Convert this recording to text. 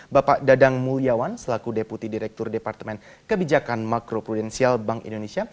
bapak dadang mulyawan selaku deputi direktur departemen kebijakan makro prudensial bank indonesia